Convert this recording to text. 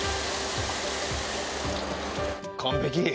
完璧。